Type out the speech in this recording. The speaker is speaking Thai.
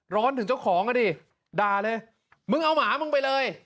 ร้อนถึงอีกเจ้าของครัดี่ดาวเลยมึงเอาหมาไปเลย